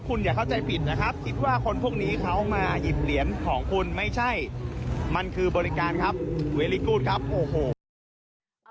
คุณอย่าเข้าใจผิดนะครับคิดว่าคนพวกนี้เขามาหยิบเหรียญของคุณไม่ใช่มันคือบริการครับเวลิกูธครับโอ้โห